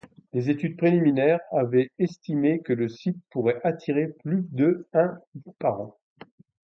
Des études préliminaires avaient estimé que le site pourrait attirer plus de par an.